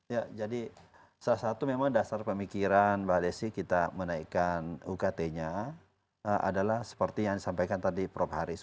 ya jadi salah satu memang dasar pemikiran mbak desi kita menaikkan ukt nya adalah seperti yang disampaikan tadi prof haris